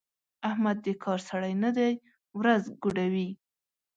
احمد د کار سړی نه دی؛ ورځ ګوډوي.